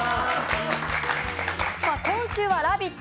今週は「ラヴィット！